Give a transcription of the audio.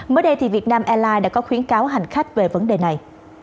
mới đây thì việt nam airlines đã có khuyến cáo hành khách về vấn đề này